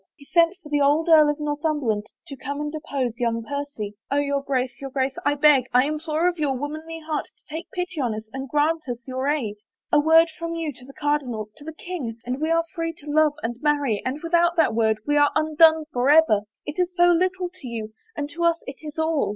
He sent for the old Earl of Northumberland to come and oppose young Percy. Oh, your Grace, your Grace, I beg, I implore of your wom anly heart to take pity on us and grant us your aid ! A word from you to the cardinal, to the king, and we are free to love and marry and without that word we are undone forever. It is so little to you and to us it is all.